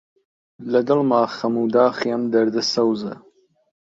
لە دڵما خەم و داخی ئەم دەردە سەوزە: